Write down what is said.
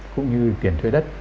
cũng như tiền thuế đất